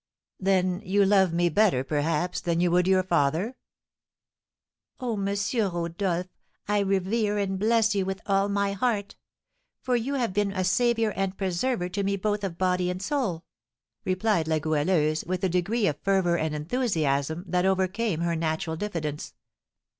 "Then you love me better, perhaps, than you would your father?" "Oh, M. Rodolph, I revere and bless you with all my heart! For you have been a saviour and preserver to me both of body and soul," replied La Goualeuse, with a degree of fervour and enthusiasm that overcame her natural diffidence.